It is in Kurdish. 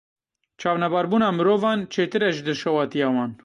Çavnebarbûna mirovan, çêtir e ji dilşewatiya wan.